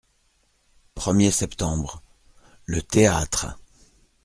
premier septembre., Le Théâtre.